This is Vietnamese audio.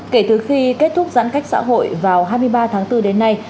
kể từ khi kết thúc giãn cách xã hội vào hai mươi ba tháng bốn đến nay